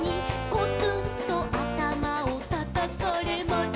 「コツンとあたまをたたかれます」